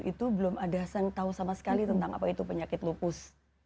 itu belum ada yang tahu sama sekali tentang apa itu penyakit lupus